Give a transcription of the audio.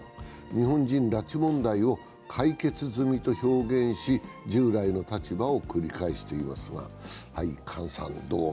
日本人拉致問題を解決済みと表現し、従来の立場を繰り返しています。